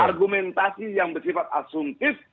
argumentasi yang bersifat asumtif